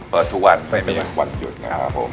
เปิดทุกวันไม่มีวันหยุดนะครับผม